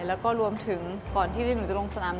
แล้วก็รวมถึงก่อนที่เรียนหนุ่มจุดลงสนาม